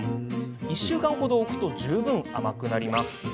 １週間ほど置くと十分甘くなります。